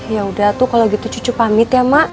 yaudah tuh kalau gitu cucu pamit ya mak